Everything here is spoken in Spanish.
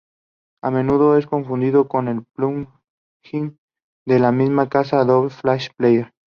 A menudo es confundido con el plugin de la misma casa Adobe Flash Player.